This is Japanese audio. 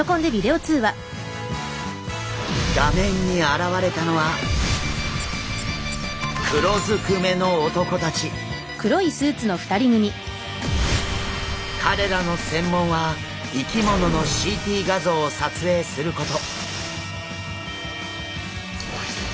画面に現れたのは彼らの専門は生き物のＣＴ画像を撮影すること。